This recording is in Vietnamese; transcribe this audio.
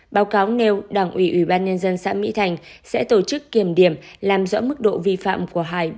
báo cáo nêu đảng ủy ubnd xã mỹ thành sẽ tổ chức kiểm điểm làm rõ mức độ vi phạm của hải